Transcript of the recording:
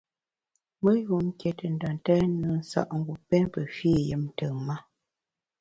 Me yun nké te nda ntèn nùe nsa’ngu pém pe fî yùm ntùm-ma.